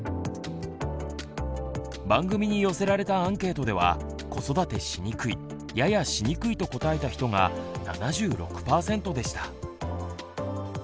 番組に寄せられたアンケートでは子育てしにくいややしにくいと答えた人が７６％でした。